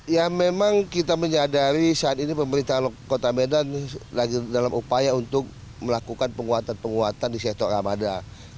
ya memang kita menyadari saat ini pemerintah kota medan lagi dalam upaya untuk melakukan penguatan penguatan di sektor ramadan